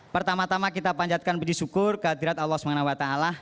pertama tama kita panjatkan berdisyukur kehadirat allah swt